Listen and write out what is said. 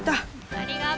ありがとう。